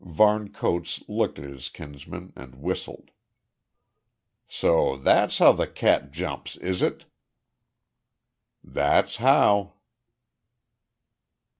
Varne Coates looked at his kinsman and whistled. "So that's how the cat jumps, is it?" "That's how."